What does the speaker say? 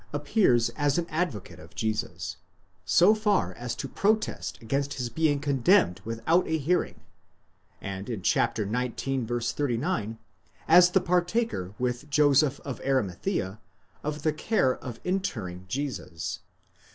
appears as the advocate of Jesus, so far as to protest against his being condemned without a hearing, and in xix. 39 as the partaker with Joseph of Arimathea of the care of interring Jesus.